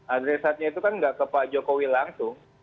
adresatnya itu kan nggak ke pak jokowi langsung